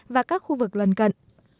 và các khu vực lần cận